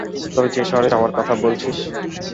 তবে যে শহরে যাবার কথা বলছিস?